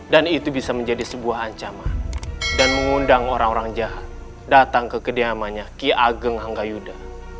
dan itu bisa menjadi sebuah ancaman dan mengundang orang orang jahat datang ke kediamannya ki ageng hanggayuda